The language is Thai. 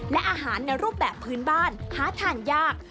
และอาหารในรูปแบบพื้นบ้านหาทานยาก